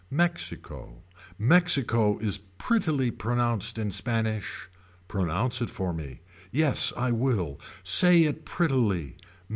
Mexico. Mexico is prettily pronounced in Spanish. Pronounce it for me. Yes I will. Say it prettily.